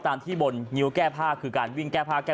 ตามที่บนนิ้วแก้ผ้าคือการวิ่งแก้ผ้า